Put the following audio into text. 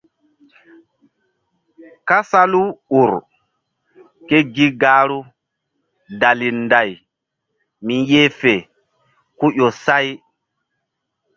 Kasal u ur ke gi gahru dali nday mi yeh fe ku ƴo say.